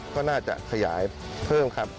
ก็น่าจะขยายเพิ่มครับ